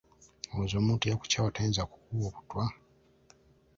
Olowooza omuntu eyakukyawa tayinza okukuwa obutwa?